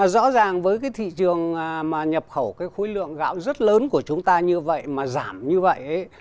rõ ràng với cái thị trường mà nhập khẩu cái khối lượng gạo rất lớn của chúng ta như vậy mà giảm như vậy